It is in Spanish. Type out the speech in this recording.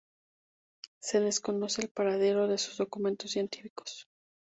Se desconoce el paradero de sus documentos científicos.